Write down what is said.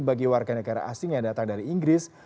bagi warga negara asing yang datang dari inggris